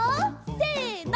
せの。